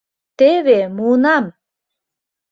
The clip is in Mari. Теве, муынам!